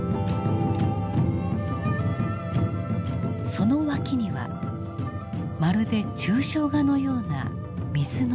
その脇にはまるで抽象画のような水の流れ。